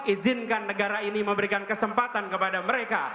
izinkan negara ini memberikan kesempatan kepada mereka